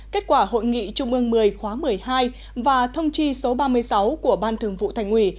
kết quả hội nghị trung ương một mươi khóa một mươi hai và thông chi số ba mươi sáu của ban thường vụ thành ủy